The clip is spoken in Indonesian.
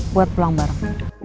buat pulang bareng